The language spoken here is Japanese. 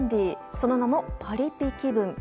その名も、パリピ気分。